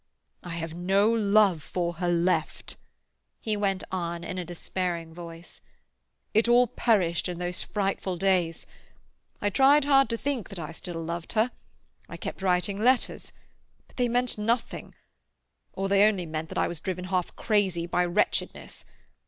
"I have no love for her left," he went on in a despairing voice. "It all perished in those frightful days. I tried hard to think that I still loved her. I kept writing letters—but they meant nothing—or they only meant that I was driven half crazy by wretchedness.